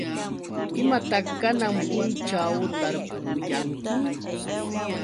¿Imataq kanan punćhaw tarpuyanki?